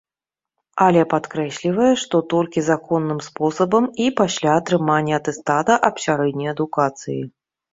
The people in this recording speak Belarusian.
Але падкрэслівае, што толькі законным спосабам і пасля атрымання атэстата аб сярэдняй адукацыі.